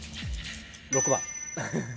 ６番。